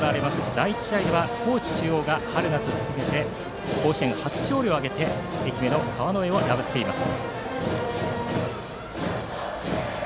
第１試合では高知中央が春夏含めて甲子園初勝利を挙げて愛媛の川之江を破っています。